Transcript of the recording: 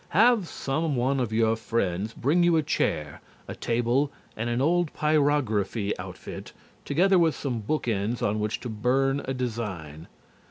Have some one of your friends bring you a chair, a table and an old pyrography outfit, together with some book ends on which to burn a design.